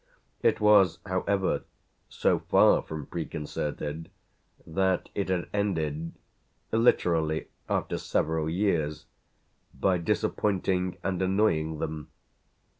It was however so far from preconcerted that it had ended literally after several years by disappointing and annoying them.